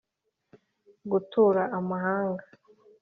Gutura amahanga